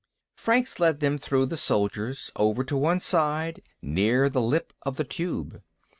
Franks led them through the soldiers, over to one side, near the lip of the Tube.